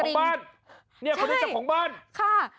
นี่จ้าของบ้านนี่คนนี้จ้าของบ้าน